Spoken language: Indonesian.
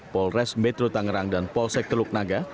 polres metro tangerang dan polsek teluk naga